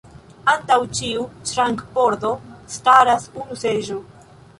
Antaŭ ĉiu ŝrankpordo staras unu seĝo.